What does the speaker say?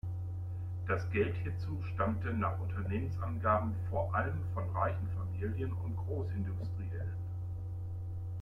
Das Geld hierzu stammte nach Unternehmensangaben vor allem von reichen Familien und Großindustriellen.